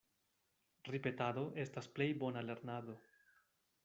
Ripetado estas plej bona lernado.